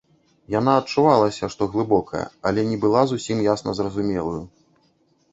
Яна адчувалася, што глыбокая, але не была зусім ясна зразумелаю.